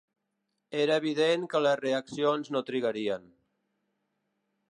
Era evident que les reaccions no trigarien.